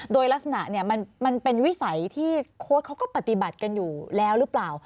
โดยลักษณะมันเป็นวิสัยที่โค้ชเขาก็ปฏิบัติกันอยู่แล้วหรือเปล่า